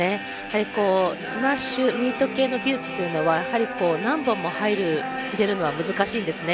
スマッシュミート系の技術というのは何本も入る入れるのは難しいんですね。